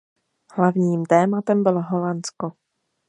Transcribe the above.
Hlavním tématem bylo Holandsko.